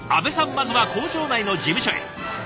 まずは工場内の事務所へ。